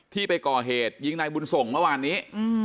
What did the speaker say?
ไปก่อเหตุยิงนายบุญส่งเมื่อวานนี้